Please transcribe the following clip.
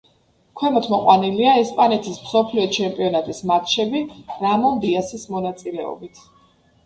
ქვემოთ მოყვანილია ესპანეთის მსოფლიო ჩემპიონატის მატჩები რამონ დიასის მონაწილეობით.